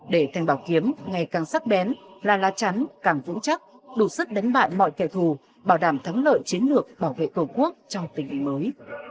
để thanh bảo kiếm ngày càng sắc bén la lá chắn càng vững chắc đủ sức đánh bại mọi kẻ thù bảo đảm thắng lợi chiến lược bảo vệ tổ quốc trong tình hình mới